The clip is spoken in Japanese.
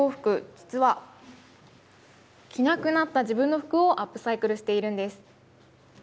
実は着なくなった自分の服をアップサイクルしているんです。